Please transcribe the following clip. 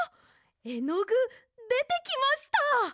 えのぐでてきました。